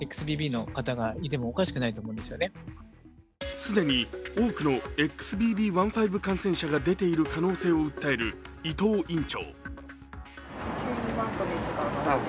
既に多くのＸＢＢ．１．５感染者が出ている可能性を訴える伊藤院長。